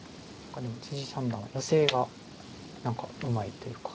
でも三段はヨセが何かうまいというか。